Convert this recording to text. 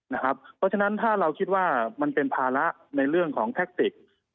เพราะฉะนั้นถ้าเราคิดว่ามันเป็นภาระในเรื่องของแท็กติก